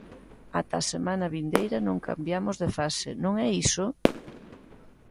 Ata a semana vindeira non cambiamos de fase, non é iso?